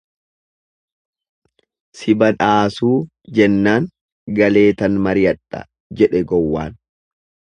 """Si badhaasuu?"" jennaan ""galeetan mariyadha"" jedhe gowwaan."